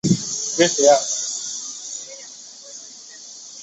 中国共产党早期人物。